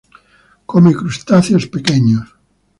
Come crustáceos pequeños.